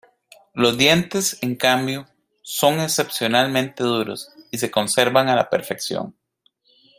Los dientes, en cambio, son excepcionalmente duros y se conservan a la perfección.